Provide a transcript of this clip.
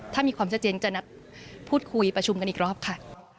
ถ้ามีความชัดเจนจะนัดพูดคุยประชุมกันอีกรอบค่ะ